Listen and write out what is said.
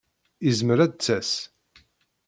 Izmer ad d-tas.